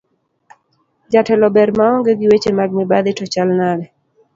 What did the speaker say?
Jatelo ber maonge gi weche mag mibadhi to chal nade?